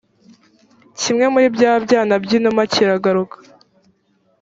kimwe muri bya byana by’inuma kiragaruka